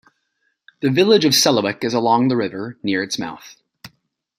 The village of Selawik is along the river near its mouth.